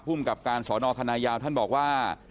กับการสอนอคณะยาวท่านบอกว่า